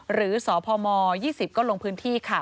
หรือสพม๒๐ก็ลงพื้นที่ค่ะ